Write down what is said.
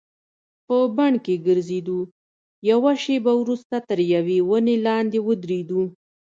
په بڼ کې ګرځېدو، یوه شیبه وروسته تر یوې ونې لاندې ودریدو.